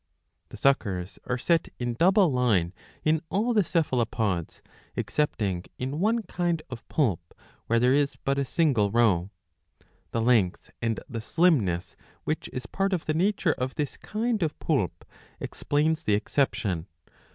The suckers are set in double line in all the Cephalopods excepting in one kind of poulp, where there is but a single row.^' The length and the slimness which is part of the nature of this kind of poulp explains the exception.